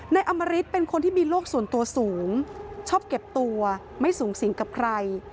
นายอมริตเป็นคนที่มีโรคส่วนตัวสูงชอบเก็บตัวไม่สูงสิงกับใคร